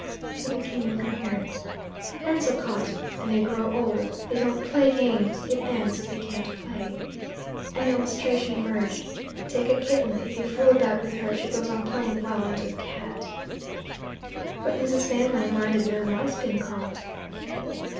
He became incoherent. Ansell caught, "And they grow old they don't play games it ends they can't play." An illustration emerged. "Take a kitten if you fool about with her, she goes on playing well into a cat." "But Mrs. Failing minded no mice being caught."